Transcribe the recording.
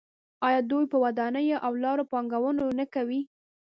آیا دوی په ودانیو او لارو پانګونه نه کوي؟